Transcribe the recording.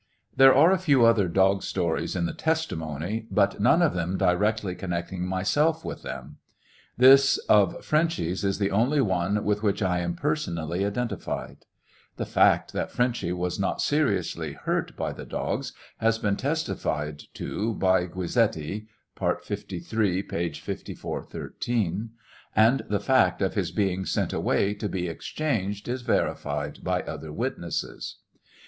There are a few other dog stories in the testimony, but none of them directly connecting myself with them. This of Frenchy's is the only one with which 1 am personally identified. The fact that Frenchy was not seriojisly hurt by the dogs has been testified to by Guizetti, (part, 53, p 5413,) and the fact of his being sent away to be exchanged is verified by other witnesses.